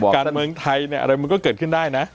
การเมืองไทยอะไรมันก็เกิดขึ้นได้นะ